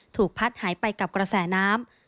ถูกพัดหายไปกับกระแสน้ำ